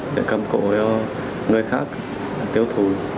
để cầm cố cho người khác tiêu thù